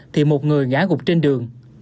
thì một người gã gục trên đường